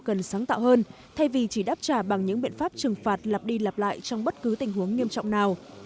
cần sáng tạo hơn thay vì chỉ đáp trả bằng những biện pháp trừng phạt lặp đi lặp lại trong bất cứ tình huống nghiêm trọng nào